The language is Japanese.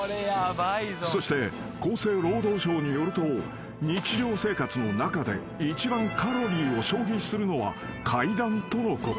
［そして厚生労働省によると日常生活の中で一番カロリーを消費するのは階段とのこと］